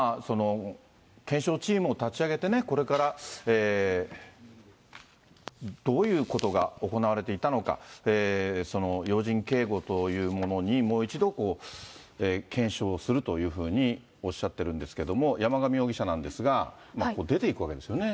検証チームを立ち上げて、これからどういうことが行われていたのか、その要人警護というものに、もう一度検証するというふうにおっしゃってるんですけれども、山上容疑者なんですが、ここ、出ていくわけですよね。